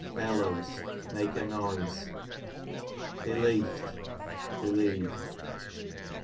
helloivs, mala' a noise. Beleeft, believed.